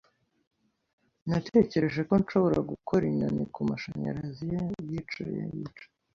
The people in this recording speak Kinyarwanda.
natekereje ko nshobora gukora inyoni kumashanyarazi ye yicaye yicaye